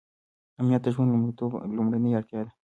امنیت د ژوند لومړنۍ اړتیا ده.